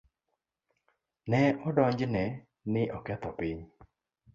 Ne odonjne ni oketho piny.